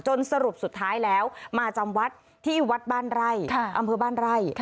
สรุปสุดท้ายแล้วมาจำวัดที่วัดบ้านไร่อำเภอบ้านไร่